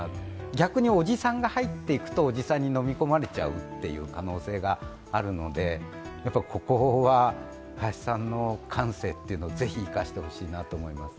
逆に、おじさんが入っていくと、おじさんにのみ込まれちゃう可能性があるので、ここは林さんの感性というのをぜひ生かしてほしいなと思います。